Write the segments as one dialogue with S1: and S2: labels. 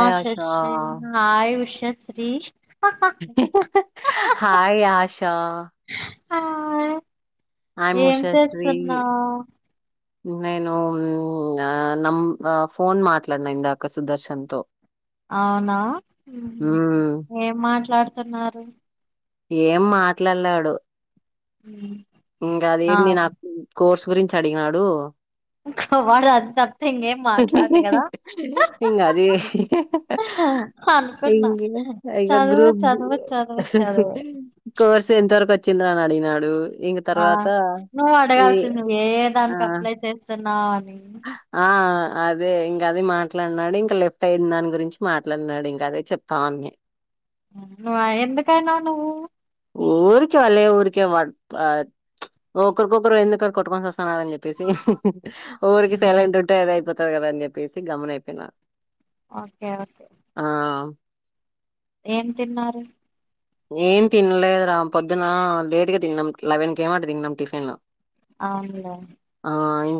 S1: ఆ Sashi hi Ushasri
S2: hi Asha
S1: hi
S2: I'm
S1: ఏం
S2: ఉషశ్రీ
S1: చేస్తున్నావు?
S2: నేను నం ఫోన్ మాట్లాడిన ఇందాక సుదర్శన్తో
S1: అవునా
S2: మ్,
S1: ఏం మాట్లాడ్తున్నారు.
S2: ఏం మాట్లాడ్లే ఆడు
S1: మ్
S2: ఇంకా అదేంది నాకు కోర్స్ గురించి అడిగినాడు
S1: [unintelligible] మాట్లాడడు కదా!
S2: ఇం అది ఇ
S1: అనుకున్నా.
S2: ఇక
S1: చదువు,
S2: గ్రూప్
S1: చదువు, చదువు, చదువు.
S2: కోర్స్ ఎంత వరకు వచ్చింద అని అడిగినడు ఇంక
S1: ఆ!
S2: తర్వాత
S1: నువ్వు
S2: ఈ
S1: అడగాల్సింది నువ్వు ఏ
S2: ఆ
S1: దానికి అప్లై చేస్తున్నావు అని.
S2: ఆ అదే ఇంకా అదే మాట్లాడినాడు ఇంకా లెఫ్ట్ అయిన దాని గురించి మాట్లాడినాడు ఇంకా అదే చెప్తామని
S1: నువ్ ఎందుకనావు నువ్వు
S2: ఊరికే వాళ్ళే ఊరికే ఒకరికొకరు ఎందుక కొట్టుకొని వస్త ని చెప్పేసి ఊరికి
S1: మ్మ్.
S2: సేలంటింట ఏదయిపోతారు కదా అని చెప్పేసి గమునయిపోయినారు
S1: ఓకే ఓకే ఏం తిన్నారు?
S2: ఏం తినలేదు రా పొద్దున లేట్ గా తిన్నాం లెవెన్ కీ అట్ట తిన్నాం టిఫిన్లు
S1: అవునా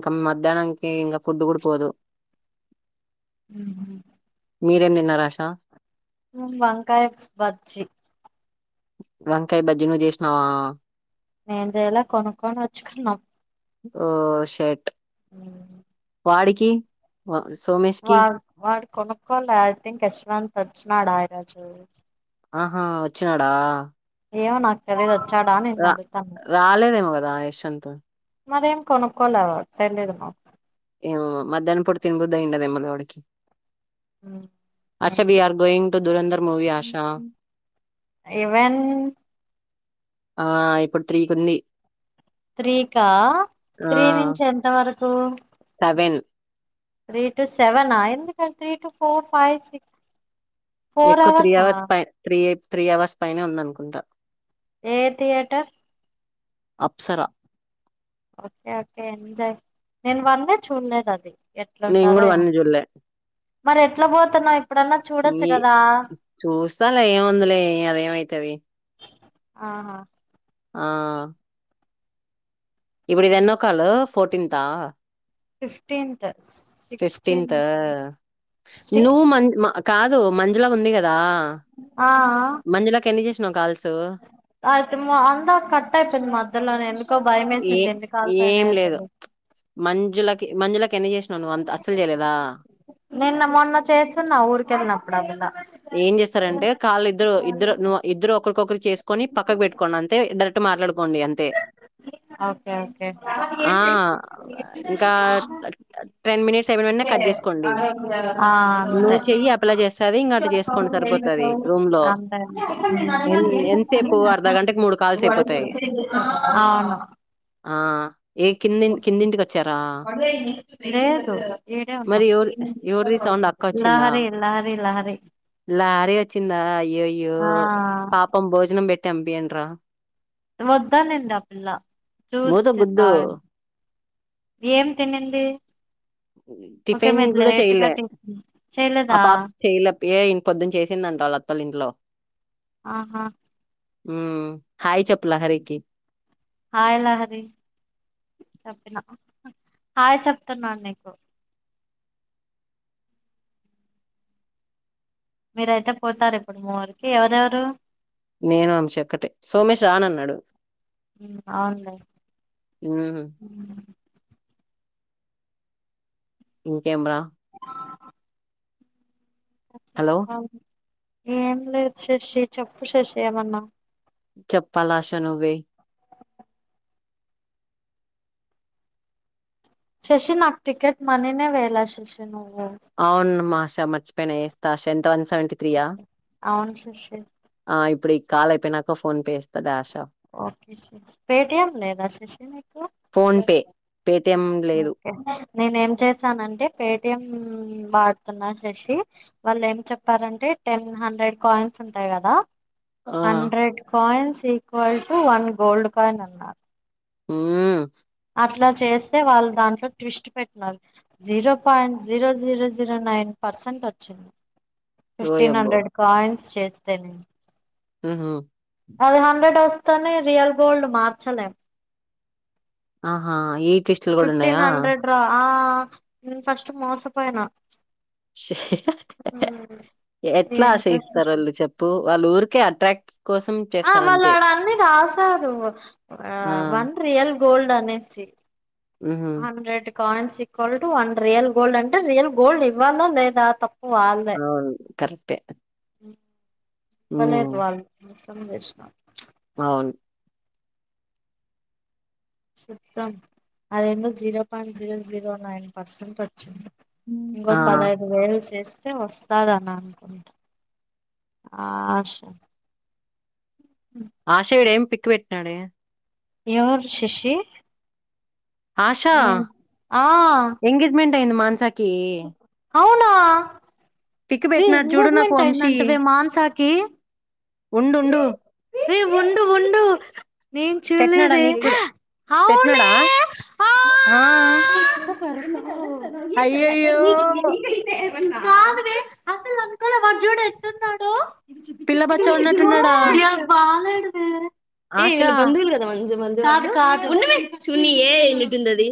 S2: ఇంకా మధ్యాహ్నానికి ఇంకా ఫుడ్ కూడా పోదు
S1: హ్మ్
S2: మీరేం తిన్నారు ఆశా
S1: వంకాయ బజ్జి
S2: వంకాయ బజ్జి నువ్వు చేసినవా
S1: నేన్ చేయలె కొనుక్కని తెచ్చుకున్నాం
S2: ఓ షెట్ వాడికి వ
S1: వాడు వాడు కొనుక్కోలె ఐథింక్ యస్వంత్ తెచ్చినాడు ఆయరాజు
S2: ఆహా వచాడా
S1: ఏమో నాకు తెలియదు వచ్చాడా అని నిన్ను అడుగుతున్న
S2: రాలేదేమో కదా యశ్వంత్
S1: మరి కొనుక్కోలే కొనాడు మాకు
S2: ఏ మధ్యాహ్నం పూట తినబుద్ధి అయ్యిందెమో వాడికి అసలు
S1: మేబీ
S2: వాడు going to Dhurandhar movie Asha
S1: even
S2: ఆ ఇప్పుడు త్రీకుంది
S1: త్రీకా త్రీ నుంచి ఎంత వరకు
S2: వెన్
S1: త్రీ టు సెవనా ఎందుక అటు ఇట్టు ఫోర్ ఫైవ్ సిక్స్ ఫోర్
S2: ఎక్కువ త్రీ
S1: అవర్సా
S2: అవర్స్ పై త్రీ త్రి అవర్స్ పైనే ఉందనుకుంటా
S1: ఏ theatre
S2: Apsara
S1: okay okay enjoy నేను వన్ ది చూడలేదు అది
S2: నేను
S1: ఎట్లుంటాదో
S2: కూడా వన్
S1: ఏమో
S2: చూడలే
S1: మరి ఎట్లా పోతున్నావ్ ఇప్పుడు
S2: ఈ చూస్తాలే ఏముందిలే అదేమైతది
S1: ఆహా
S2: ఆ ఇప్పుడు ఇది ఎన్నో కాలు ఫోర్టీన్త్ ఆ
S1: ఫిఫ్టీన్త్
S2: ఫిఫ్టీంతా
S1: సిక్స్టీన్త్
S2: నువ్వు
S1: సిక్స్
S2: మం కాదు మంజల ఉంది కదా
S1: ఆ
S2: మంజులకి ఎన్ని చేసినవ్
S1: అయితే మా అంతా కట్ ఐపోయింది మద్యలోనే
S2: ఏ ఏం లేదు మంజులకి మంజులకి ఎన్ని చేసినావు నువ్వు అంత అస్సలు చేయలేదా
S1: నిన్న మొన్న చేస్తున్న ఊరికి యేల్లినప్పుడల్లా
S2: ఏం చేస్తరంటే కాళ్ళు ఇద్దరు ఇద్దరు ఇద్దరు ఒకరికొకరు చేసుకొని పక్కకు పెట్టుకోండి అంతే కరెక్టు మాట్లాడుకోండి అంతే
S1: ఓకే ఓకే
S2: ఆ ఇంకా టెన్ మినిట్స్ అయిపోయిన వెంటనే కట్ చేసుకోండి
S1: ఆ
S2: నువ్వు చెయ్యి అప్లై చేస్తుంది
S1: అంతే
S2: ఇంకా అటు చేసుకోండి సరిపోతుంది రూమ్
S1: అంతే
S2: లో ఎన్
S1: అంతే
S2: ఎంతసేపు అర్ధ గంటకి మూడు కాల్స్
S1: ఉమ్
S2: అయిపోతాయి
S1: అవును
S2: ఆ ఏ కింది కిందింటికి వచ్చారా
S1: లేదు ఏడే
S2: మరి
S1: ఉన్నాం
S2: ఎవరు ఎవరిది సౌండ్ అక్క వచ్చిందా
S1: లహరి లహరిలహరి
S2: లారీ వచ్చిందా అయ్యయ్యో పాపం భోజనం పెట్టాం పంపియాండ్ర
S1: వొద్దనింద ఆ పిల్ల
S2: మూత
S1: చూస్త
S2: గుడ్డు
S1: తా ఏం తినింది ఓకే
S2: టిఫిన్
S1: మీరు
S2: కూడా
S1: లేట్గా
S2: చెయలే
S1: టిఫిన్
S2: ఆ
S1: చేయలేదా
S2: పాప చేయలే ఏ ఇం పొద్దున్న చేసిందంట వాళ్ళ అత్తోలింట్లొ
S1: ఆహా
S2: హు హాయ్ చప్పలా హరికి
S1: హాయ్ లాహరి చెప్పిన హాయ చెప్తున్నాను నీకు మీరైతె పోతార్ ఇప్పుడు మురికి ఎవరెవరు.
S2: నేను శక్కటే సోమేష్ రానన్నాడు.
S1: ఉమ్మ్
S2: మ్మ్
S1: ఉమ్
S2: ఇంకేమ్ర. హలో
S1: ఏం లేద్ శశి చెప్పు శశి ఏమన్నా.
S2: చప్ప లాష నువ్వే
S1: శశి నాక్ టికెట్ మనీనే వేలే శశి నువ్.
S2: అవును మాషా మర్చిపెన యేస్త సెంట్రాన్స్. తేవంటి త్రీ యా
S1: అవును శశి
S2: అహ్ ఇప్పుడు కాల్ ఐపోయినాక ఫోన్ పే యేస్త డాష్.
S1: ఒకే శేష్ పెటియం లేదా శశి నీకు.
S2: ఫోన్ పే పేటిఎం లేదు
S1: ఒకే. నేన్ ఏం చేసానంటే పేటిఎం వాడుతున్నా శశి వాల్ ఏం చెప్పారంటే. టెన్ హండ్రెడ్ కాయిన్స్ ఉంటాయి గాదా
S2: ఆ
S1: hundred coins equal to one gold coin అన్నార్
S2: ఉమ్మ్ ఉం
S1: అట్లా చేస్తే వాల్ దాంట్లో ట్విస్ట్ పెట్టినర్ zero point zero zero zero nine. Percent వచ్చింది ఫిఫ్టీన్
S2: ఓయబ్బో
S1: హండ్రెడ్ కాయిన్స్ చేస్తే నేను
S2: ఉమ్ హు.
S1: అది హండ్రెడ్ వస్తనే రియల్ గోల్డ్ మార్చలేం
S2: ఆహా ఈ ట్విస్ట్లు కూడా
S1: ఫిఫ్టీన్ హండ్రెడ్
S2: ఉన్నాయా
S1: రా ఆ అహ్ నేన్ ఫస్ట్ మోసపోయిన
S2: ఎట్ల
S1: ఏంటో
S2: అశ్యేత్తరూ వాళ్ళు చెప్పు. వాల్ ఓరికే అట్రాక్ట్ కోసం
S1: ఆ
S2: చేస్తారంతే
S1: మల్లాడాన్ని ఆసదు
S2: ఆ!
S1: One real. గోల్డ్ అనేసి
S2: హుహు.
S1: Hundred coins equal to one real gold అంటే రియల్ గోల్డ్ ఇవ్వల లేదా త
S2: అవున్ కరెక్టే.
S1: బాలేద్ వాల్ మిస్సమ్ జేష్న
S2: అవున్
S1: చెప్తాం అదేందో zero point zero zero nine percent ఇంకో
S2: ఆ!
S1: పదహైదు వెల్ చేసి. ఐతే వస్తాదని అనుకుంట ఆఆశ
S2: ఆశాయడు ఏం పిక్ పెట్టినాడే
S1: ఎవరు శశీ
S2: ఆషా
S1: ఆ
S2: ఎంగేజ్మెంట్ ఐంది మాన్సాకీ.
S1: అవునా
S2: పిక్
S1: వి
S2: పెట్టినడు చూడు నాకు
S1: ఎంగేజ్మెంట్
S2: వంశీ
S1: అయిందంటవే మాన్సాకి
S2: ఉండుండు.
S1: ఏ వుండు వుండు నేను చూలేదే.
S2: పెట్టినడా ఆహ్ అయ్యయో.
S1: కైతే. కాదువే అసలు అనుకోలె వాడ్ జూడు ఎట్నునడో [inaudible]
S2: తిన్నాడా.
S1: [unintelligible] [inaudible] కాదు కాదు ఉన్నవే చూడ్నీయే ఎటుందది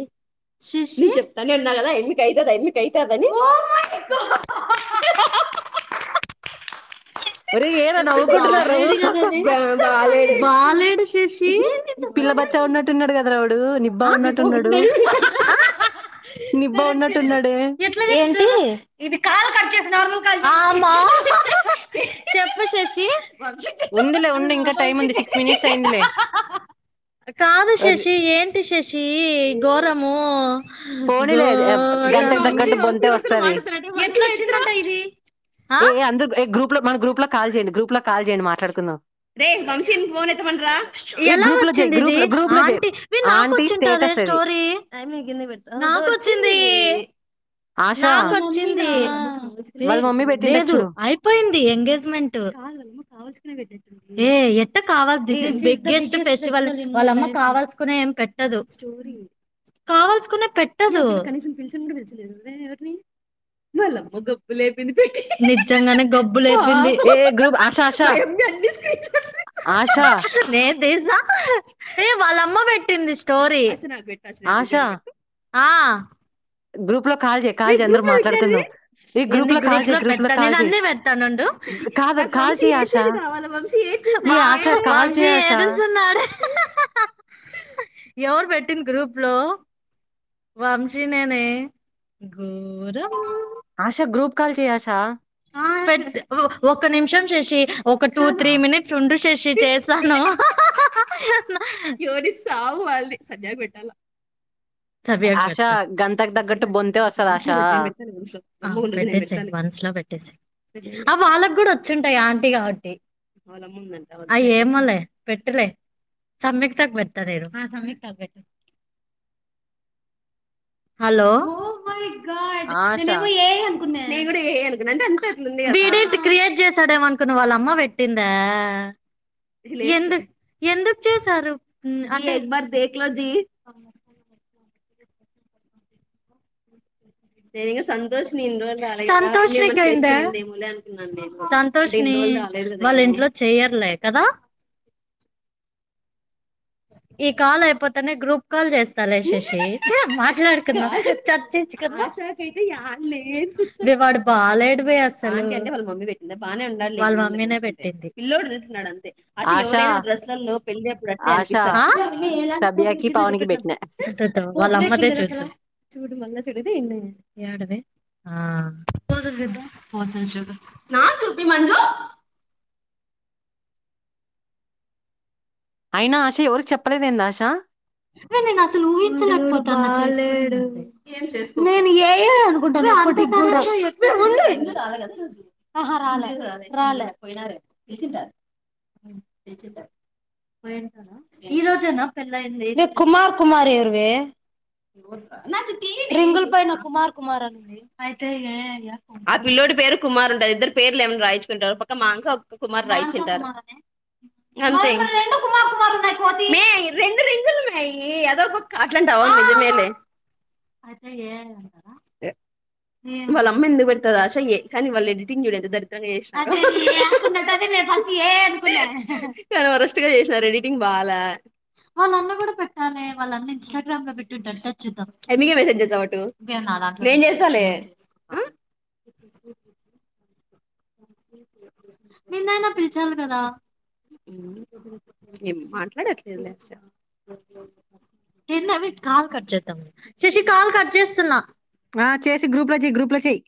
S1: శశి నిన్ చెప్తానే ఉన్నాగదా ఎన్ను కైతధ ఎన్ను కైతధ అని ఓ మై గా. [unintelligible]
S2: ఒరేయ్! ఏరా నవ్వుకుంటున్నారు?
S1: బాలేడు గద అది బా బాలేడు బాలేడు శశీ.
S2: పిల్ల బచ్చ ఉన్నట్టు ఉన్నాడు కదారా.
S1: [unintelligible] [unintelligible] [inaudible]
S2: నిబ్బా ఉన్నట్టున్నాడే.
S1: ఆమా చెప్పు శశి వంశజ
S2: ఉందిలే ఉండి ఇంకా టైం ఉంది
S1: వంశజ
S2: సిక్స్ మినిట్స్ అయిందిలే
S1: కాదు
S2: అరే,
S1: శశి ఏంటి శశి ఘోరము
S2: పోనీలే ఏ, గంటకు తగ్గట్టు
S1: వంశీ
S2: బొంతే
S1: ఎవరితో
S2: వస్తది
S1: మాట్లాడుతున్నట్టు ఎట్లా వచ్చిందంట ఇది ఆ?
S2: ఏ ఏ అందరు గ్రూప్ లో మన గ్రూప్ లో కాల్ చేయండి గ్రూప్ లో కాల్ చేయండి మాట్లాడుకుందాం
S1: రే వంశీ ఫోన్ ఎత్తమంటరా
S2: ఏ
S1: ఎలా
S2: గ్రూప్ లో చేయి
S1: వచ్చింది
S2: గ్రూప్
S1: ఇది
S2: లో గ్రూప్ లో చేయి
S1: ఆంటీ మీ నాక
S2: ఆంటీ
S1: వచ్చింటాద
S2: స్టేటస్
S1: [unintelligible] [inaudible]
S2: అది
S1: స్టోరీ అ మిగింది పెట్ట నాకొచ్చింది
S2: ఆశా
S1: నాకొచ్చింది
S2: వాళ్ళ మమ్మీ పెట్టింట
S1: లేదు
S2: చూడు
S1: అయిపోయింది ఎంగేజ్మెంట్ [inaudible] పెట్టదు [inaudible] [unintelligible] [inaudible] [unintelligible] మ
S2: ఏ ఏ గ్రూప్ ఆశా ఆశా
S1: స్క
S2: ఆశా
S1: న ఏ వాళ్ళమ్మ పెట్టింది స్టోరీ
S2: ఆశా
S1: ఆ
S2: గ్రూప్ లో కాల్ చేయి
S1: మీ
S2: కాల్ చేయి అందరూ
S1: గ్రప్ లో పెట్టారు
S2: మాట్లాడుకుందాం
S1: ఏ గ్రూప్ లో పెడతాను నేను అన్ని పెడతానుండు
S2: కాదు
S1: నాకు
S2: కాల్
S1: వంశీ
S2: చేయి ఆశా
S1: ఏడ్సేది కావాలి వంశీ
S2: ఏ ఆశ కాల్
S1: వంశీ
S2: చేయి ఆశ
S1: ఏడుస్తున్నాడు ఎవరు పెట్టింది గ్రూప్ లో వంశీ నేనే గోరం
S2: ఆశ గ్రూప్ కాల్ చేయి ఆశ
S1: ఒక నిమిషం శశి ఒక టూ త్రీ
S2: ఆ,
S1: మినిట్స్ ఉండు శశి చేస్తాను [unintelligible] [inaudible]
S2: ఆశా గ
S1: పెట్టే మన్స్ లో పెట్టేసారు ఆ వాళ్ళకు కూడా వచ్చుంటాయి ఆంటీ కాబట్టి [inaudible] [unintelligible] [unintelligible] [inaudible] హలో [unintelligible] [inaudible] ఆ
S2: ఆశా
S1: ఎందు ఎందుకు చేసారు అంటే ఎ దేక్లోజీ సంతోష్ ని సంతోష్ే సంతోష్ ని వాళ్ళ ఇంట్లో చెయర్లే కదా ఈ కాల్ అయిపోతనే గ్రూప్ కాల్ చేస్తా లేశశి మాట్లాడుకుందాం చర్చించుకుందా ాకయితే లేదు రే వాడు బాలగాలేడుపోయాస్తా అ అంటే వాళ్ళ మమ్మీ పెట్టింది బాగానే ఉండాలి
S2: ఆశా
S1: [unintelligible] [inaudible] దే
S2: ఆశా
S1: అనిపిస్త ఆ
S2: సబియాకి పవన్కి
S1: పిన్ని
S2: పెట్టిన
S1: [inaudible] తో తో వాళ్ళ అమ్మదే చూస్తూ చూడు మళ్ళ చూడదే ఇన్నె యాడదే ఆ నా తూపి మందు
S2: అయినా ఆశ ఎవరికి చెప్పలేదేంద ఆశా
S1: వె నేను అసలు ఊహించలేకపోతాన్న చూసి నేను ఏ అనుకుంటాను. అహ రాలే రాలే పోయినారెమో ఇచట ఈ రోజేనా పెళ్ళయింది ఏ కుమార్ కుమారి ఎవరివి రింగుల్ పైన కుమార్ కుమార్ అనింది అయితే ఏ ఐ ఆ పిల్లో ఇప్పుడు పేరు కుమార్ ఉంటారు ఇద్దరు పేర్లు ఏమైనా రాయించుకుంటారు పక్క మానస కుమార్ రాయిచింటారు. ఇడ రెండు కుమార్ కుమార్ ఉన్నాయి కోతి మే రెండు రింగు ఏ ఎదవ కుక్క అట్లాంటావా ఇది మేలే అదే ఏ అన్నావ ఏ వాళ్ళ అమ్మ ఎందుకు పెడతద ఆశ ఏ కానీ వాళ్ళ ఎడిటింగ్ చూడు ఎంత దరిద్రంగా చేసినారో ఫస్ట్ ఏఐ అనుకున్న వరస్ట్ గా చేసినారో ఎడిటింగ్ బాలే వాళ్ళ అమ్మ కూడా పె కాదు మే వాళ్ళ అన్న ఇన్స్టాగ్రామ్ లో పెట్టుంటాడు టచ్ చూద్దాం ఎ మియే మెసేజెసావ్ అటు ఏం నాదాట్లో నేను చేస్తాలే. అ నిన్నైనా పిలచాలి కదా ఏం మాట్లాడట్లేదు లేక్ష డి నవి కాల్ కట్ చేద్దాం శశి కాల్ కట్ చేస్తున్నా.
S2: ఆ చేసి గ్రూప్ లో చెయ్ గ్రూప్ లో చెయ్